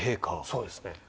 そうですね。